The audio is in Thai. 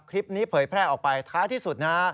คลิปนี้เผยแพร่ออกไปท้ายที่สุดนะ